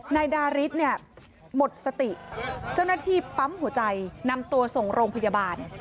นายดาริสเนี่ยหมดสติเจ้าหน้าที่ปั๊มหัวใจนำตัวส่งโรงพยาบาล